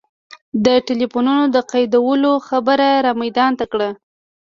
د ټلفونونو د قیدولو خبره را میدان ته کړه.